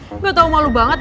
ih nggak tau malu banget deh